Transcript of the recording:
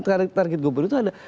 dari target gobernur itu ada